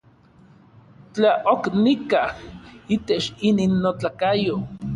Tla ok nikaj itech inin notlakayo.